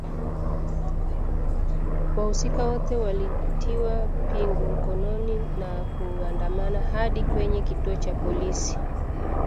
Wahusika wote walitiwa pingu mkononi na kuandamana hadi kwenye kituo cha polisi